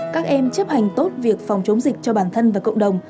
các em chấp hành tốt việc phòng chống dịch cho bản thân và cộng đồng